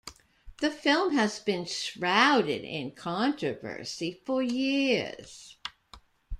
The film has been shrouded in controversy for years.